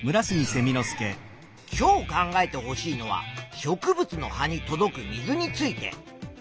今日考えてほしいのは植物の葉に届く水について。